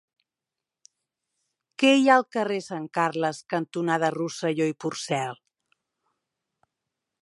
Què hi ha al carrer Sant Carles cantonada Rosselló i Porcel?